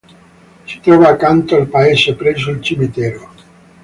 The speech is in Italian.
Si trova accanto al paese, presso il cimitero.